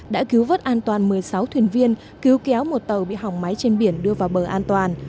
đã cứu vất an toàn một mươi sáu thuyền viên cứu kéo một tàu bị hỏng máy trên biển đưa vào bờ an toàn